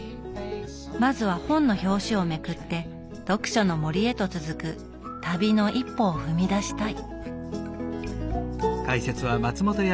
まずは本の表紙をめくって読書の森へと続く旅の一歩を踏み出したい。